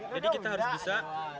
jadi kita harus bisa